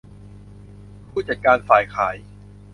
ผู้จัดการฝ่ายขาย